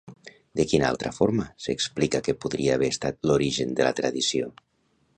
De quina altra forma s'explica que podria haver estat l'origen de la tradició?